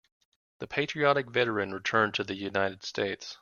The patriotic veteran returned to the United States.